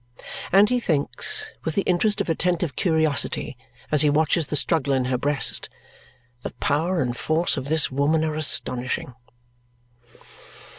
And he thinks, with the interest of attentive curiosity, as he watches the struggle in her breast, "The power and force of this woman are astonishing!"